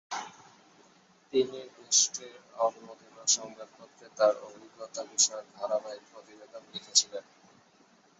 তিনি দেশটির "Al Madina" সংবাদপত্রে তার অভিজ্ঞতা বিষয়ক ধারাবাহিক প্রতিবেদন লিখেছিলেন।